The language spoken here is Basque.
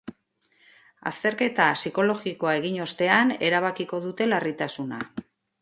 Azterketa psikologikoa egin ostean erabakiko dute larritasuna.